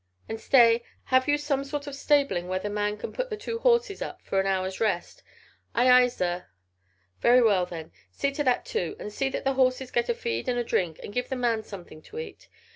"And stay have you some sort of stabling where the man can put the two horses up for an hour's rest?" "Aye, aye, zir." "Very well then, see to that too: and see that the horses get a feed and a drink and give the man something to eat."